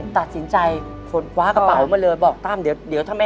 ตัดสินใจฝนกว้ากระเป๋ามาเลย